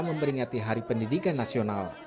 memberingati hari pendidikan nasional